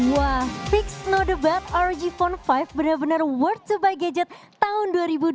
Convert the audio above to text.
wah fix no debate rog phone lima benar benar worth to buy gadget tahun dua ribu dua puluh satu